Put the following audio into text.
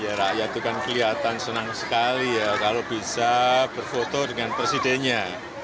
ya rakyat itu kan kelihatan senang sekali ya kalau bisa berfoto dengan presidennya